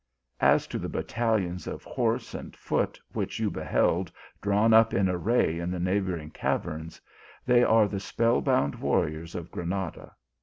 As to the bat talions of horse and foot which you beheld drawn up in array in the neighbouring caverns, they are the spell bound warriors of Granada.